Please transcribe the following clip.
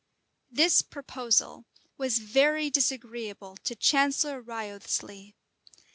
This proposal was very disagreeable to Chancellor Wriothesely.